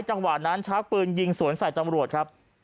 จังหวะนั้นชักปืนยิงสวนใส่ตำรวจครับ